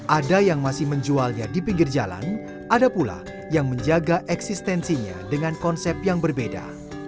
ada yang masih menjualnya di pinggir jalan ada pula yang menjaga eksistensinya dengan konsep yang berbeda